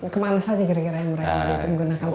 kemana saja kira kira yang mereka gunakan